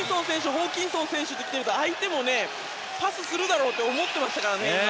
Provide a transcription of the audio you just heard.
ホーキンソン選手と来てると相手もパスするだろうと思ってましたからね、今。